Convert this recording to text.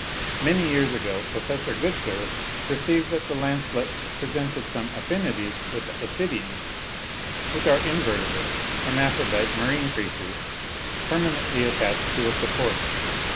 Many years ago Prof. Goodsir perceived that the lancelet presented some affinities with the Ascidians, which are invertebrate, hermaphrodite, marine creatures permanently attached to a support.